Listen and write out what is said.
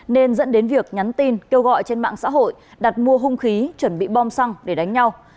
nên dẫn đến việc nhắn tin kêu gọi trên mạng xã hội đặt mua hung khí chuẩn bị bom xăng để đánh nhau